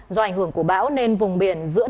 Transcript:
do ảnh hưởng của bão nên vùng biển dưỡng